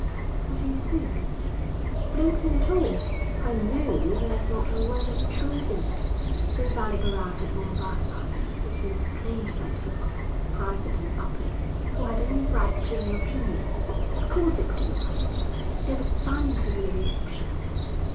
'What do you think?' 'I don't think at all; I know there's not a word of truth in it. Since Alec arrived at Mombassa, he's been acclaimed by everyone, private and public, who had any right to an opinion. Of course it couldn't last. There was bound to be a reaction.'